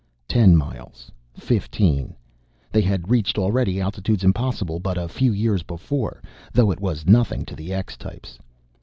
Ten miles fifteen they had reached already altitudes impossible but a few years before, though it was nothing to the X types.